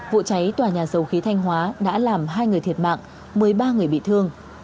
vụ cháy tòa nhà dầu khí thanh hóa đã làm hai người thiệt mạng một mươi ba người bị thương